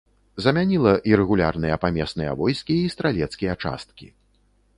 Замяніла ірэгулярныя памесныя войскі і стралецкія часткі.